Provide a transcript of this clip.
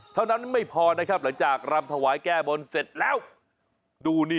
เท่านั้นไม่พอนะครับหลังจากรำถวายแก้บนเสร็จแล้วดูนี่